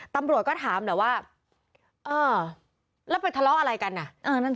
ตำรวจก็ถามแหละว่าเอ่อแล้วไปทะเลาะอะไรกันน่ะเออนั่นจริง